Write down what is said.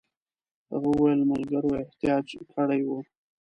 هغه وویل ملګرو احتجاج کړی وو.